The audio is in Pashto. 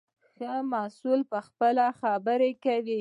ښه محصول پخپله خبرې کوي.